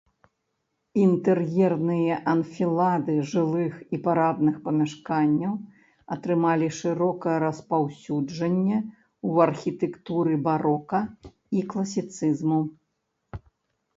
Інтэр'ерныя анфілады жылых і парадных памяшканняў атрымалі шырокае распаўсюджанне ў архітэктуры барока і класіцызму.